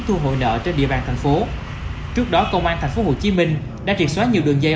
thu hội nợ trên địa bàn tp hcm trước đó công an tp hcm đã triệt xóa nhiều đường dây